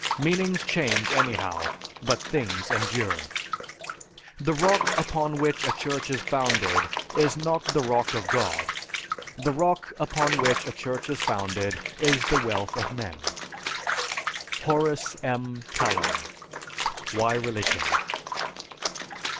Meanings change anyhow, but things endure. The rock upon which a church is founded is not the word of God; the rock upon which a church is founded is the wealth of men._ HORACE M. KALLEN, "Why Religion?"